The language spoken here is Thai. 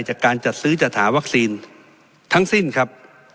จากการจัดซื้อจัดหาวัคซีนทั้งสิ้นครับ